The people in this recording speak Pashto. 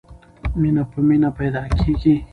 مینه په مینه پیدا کېږي.